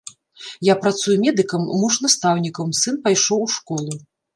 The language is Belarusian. Я працую медыкам, муж настаўнікам, сын пайшоў у школу.